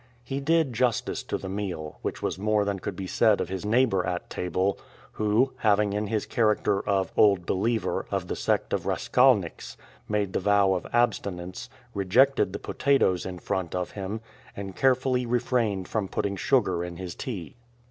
He did justice to the meal, which was more than could be said of his neighbor at table, who, having, in his character of "old believer" of the sect of Raskalniks, made the vow of abstinence, rejected the potatoes in front of him, and carefully refrained from putting sugar in his tea.